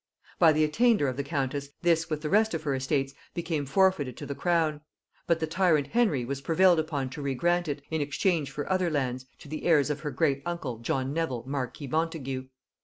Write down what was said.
By the attainder of the countess, this with the rest of her estates became forfeited to the crown; but the tyrant Henry was prevailed upon to regrant it, in exchange for other lands, to the heirs of her great uncle John Nevil marquis Montagu.